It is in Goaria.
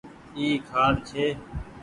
اي کآٽ ڇي